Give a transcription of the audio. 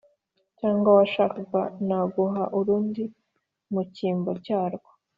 cyangwa washaka naguha urundi mu cyimbo cyarwo